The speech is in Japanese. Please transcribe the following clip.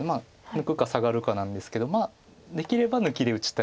抜くかサガるかなんですけどできれば抜きで打ちたい。